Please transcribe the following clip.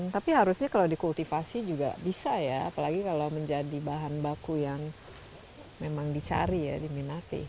tapi harusnya kalau dikultivasi juga bisa ya apalagi kalau menjadi bahan baku yang memang dicari ya diminati